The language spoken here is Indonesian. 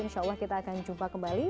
insya allah kita akan jumpa kembali